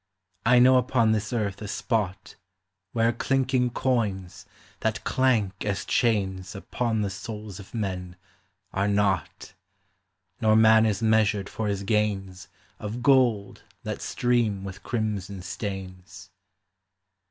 I know upon this earth a spot Where clinking coins, that clank as chains Upon the souls of men, are not ; Nor man is measured for his gains Of gold that stream with crimson stains.